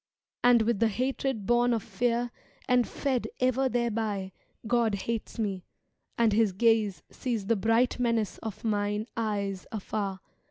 And with the hatred bom of fear and fed Ever thereby God hates me, and His ga?e Sees the bright menace of mine eyes afar.